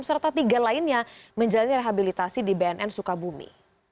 serta tiga lainnya menjalani rehabilitasi di bnn sukabumi